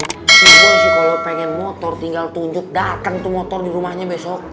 kalau pengen motor tinggal tunjuk datang tuh motor di rumahnya besok